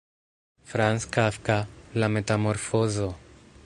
Franz Kafka: La metamorfozo.